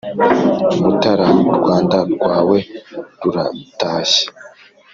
mutara u rwanda rwawe ruratashye